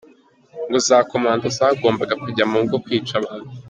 ngo za commando zagombaga kujya mu ngo kwica abantu ?